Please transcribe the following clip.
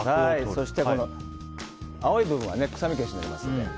そして青い部分は臭み消しになりますので。